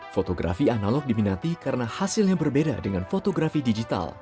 fotografi analog diminati karena hasilnya berbeda dengan fotografi digital